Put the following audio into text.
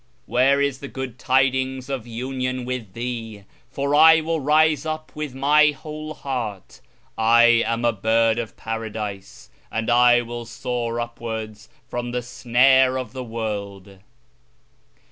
" "Where is the good tidings of union with Thee 1 for I will rise up with my whole heart ; I am a bird of Paradise, and I will soar upwards from the snare of the world."